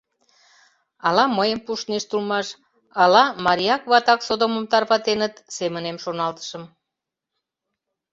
Ала мыйым пуштнешт улмаш, ала марияк-ватак содомым тарватеныт, семынем шоналтышым.